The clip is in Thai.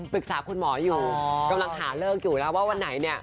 ปรึกษาคุณหมออยู่กำลังหาเลิกอยู่แล้วว่าวันไหนเนี่ย